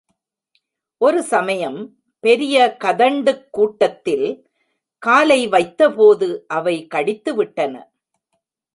ஒரு சமயம் பெரிய கதண்டுக் கூட்டத்தில் காலை வைத்தபோது அவை கடித்துவிட்டன.